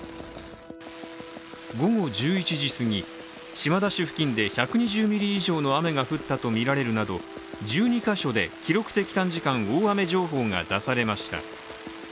午後１１時すぎ、島田市付近で１２０ミリ以上の雨が降ったとみられるなど１２か所で記録的短時間大雨情報が出されました。